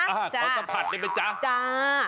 ขอสัมผัสได้ไหมจ๊ะจ้า